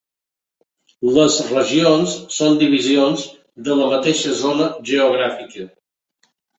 Les regions són divisions de la mateixa zona geogràfica.